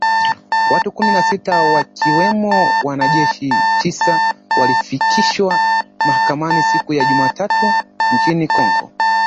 Watu kumi na sita wakiwemo wanajeshi tisa walifikishwa mahakamani siku ya Jumatatu nchini Kongo